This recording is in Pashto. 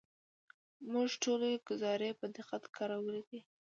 موږ ټولې ګزارې په دقت کارولې دي.